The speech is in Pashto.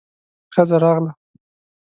ښځه راغله.